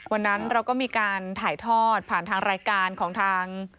วันนั้นเราก็มีการถ่ายทอดผ่านทางรายการของทาง